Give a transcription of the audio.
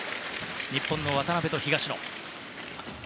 日本の渡辺と東野。